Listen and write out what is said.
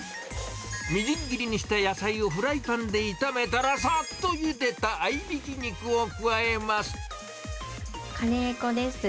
みじん切りにした野菜をフライパンで炒めたら、さっとゆでた合いカレー粉です。